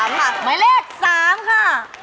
หมายเลข๓ค่ะ